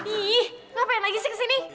ih ngapain lagi sih kesini